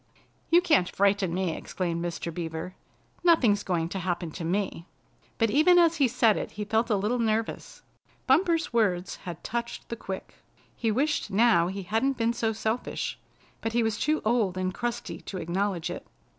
"You can't frighten me!" exclaimed Mr. Beaver. "Nothing's going to happen to me!" But even as he said it he felt a little nervous. Bumper's words had touched the quick. He wished now he hadn't been so selfish, but he was too old and crusty to acknowledge it.